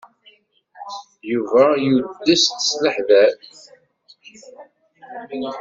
Yuba yudes-d s leḥder.